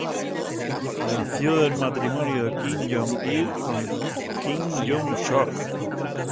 Nació del matrimonio de Kim Jong-il con Kim Young-sook.